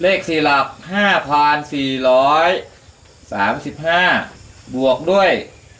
เลข๔หลัก๕๔๓๕บวกด้วย